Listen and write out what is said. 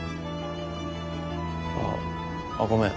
ああっごめん。